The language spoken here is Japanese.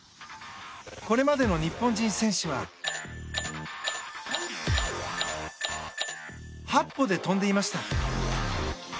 これまでの日本人選手は８歩で跳んでいました。